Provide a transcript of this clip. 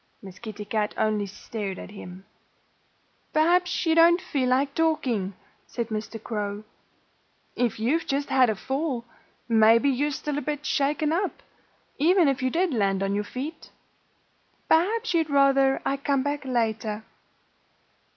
_" Miss Kitty Cat only stared at him. "Perhaps you don't feel like talking," said Mr. Crow. "If you've just had a fall, maybe you're still a bit shaken up, even if you did land on your feet. Perhaps you'd rather I came back later."